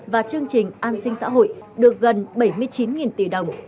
và chương trình an sinh xã hội được gần bảy mươi chín tỷ đồng